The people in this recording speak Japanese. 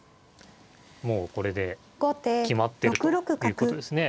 もうこれで決まってるということですね。